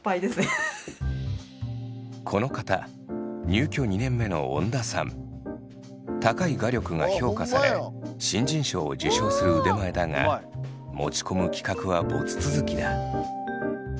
この方入居２年目の高い画力が評価され新人賞を受賞する腕前だが持ち込む企画はボツ続きだ。